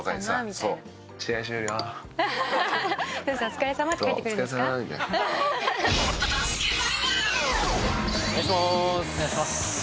お願いします。